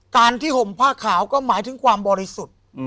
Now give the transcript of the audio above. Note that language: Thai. การที่ห่มผ้าขาวก็หมายถึงความบริสุทธิ์